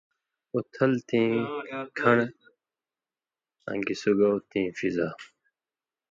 اُتھل تیں کھن٘ڑ آں گی سُگاؤ تیں فضا